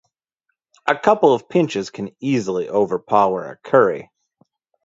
A couple of pinches can easily overpower a curry.